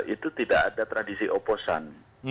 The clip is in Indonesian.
itu tidak ada tradisi oposan